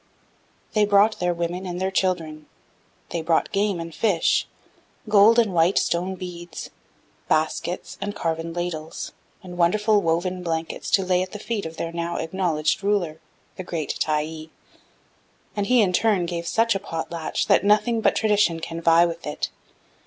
They brought their women and their children; they brought game and fish, gold and white stone beads, baskets and carven ladles, and wonderful woven blankets to lay at the feet of their now acknowledged ruler, the great Tyee. And he, in turn, gave such a potlatch that nothing but tradition can vie with it.